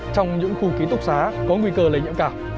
trong những khu ký túc xá có nguy cơ lây nhiễm cả